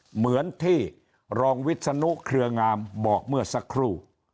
เหมือนที่รองวิศนุเครืองามบอกเมื่อสักครู่